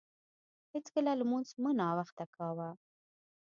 هیڅکله لمونځ مه ناوخته کاوه.